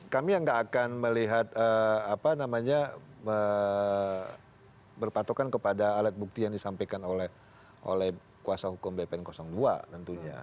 kami yang nggak akan melihat apa namanya berpatokan kepada alat bukti yang disampaikan oleh kuasa hukum bpn dua tentunya